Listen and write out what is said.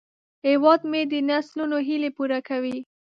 هیواد مې د نسلونو هیلې پوره کوي